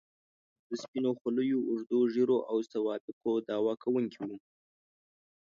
د سپینو خولیو، اوږدو ږیرو او سوابقو دعوه کوونکي وو.